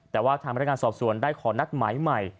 แต่ว่าทางพนักงานสอบสวนได้ขอนัดหมายใหม่